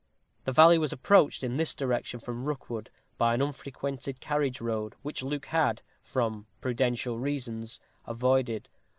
The valley was approached in this direction from Rookwood by an unfrequented carriage road, which Luke had, from prudential reasons, avoided.